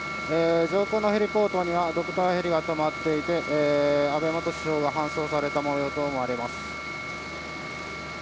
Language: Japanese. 上空のヘリポートにはドクターヘリが止まっていて安倍元首相が搬送されたものと思われます。